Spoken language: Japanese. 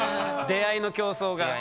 出会いの競争が。